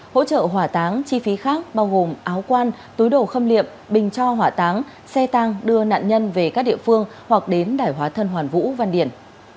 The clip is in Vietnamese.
hỗ trợ hỏa táng chi phí khác bao gồm áo quan túi đồ khâm liệm bình cho hỏa táng xe tăng đưa nạn nhân về các địa phương hoặc đến đải hóa thân hoàn vũ văn điển